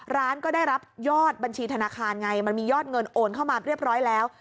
ร้านก็ได้รับยอดบัญชีธนาคารไงมันมียอดเงินโอนเข้ามาเรียบร้อยแล้ว